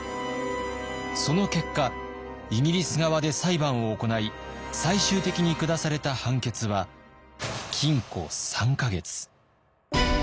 その結果イギリス側で裁判を行い最終的に下された判決は禁錮３か月。